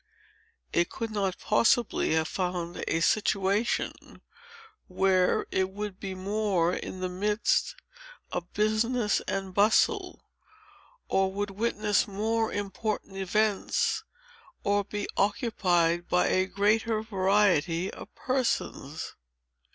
It could not possibly have found a situation, where it would be more in the midst of business and bustle, or would witness more important events, or be occupied by a greater variety of persons."